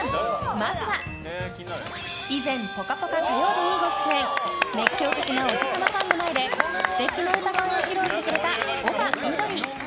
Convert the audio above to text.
まずは、以前「ぽかぽか」火曜日にご出演熱狂的なおじさまファンの前で素敵な歌声を披露してくれた丘みどり。